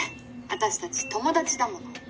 私たち友達だもの」